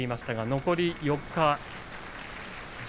残り４日